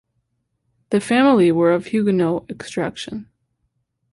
The family were of Huguenot extraction.